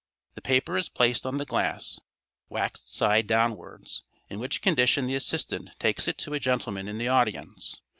The paper is placed on the glass, waxed side downwards, in which condition the assistant takes it to a gentleman in the audience.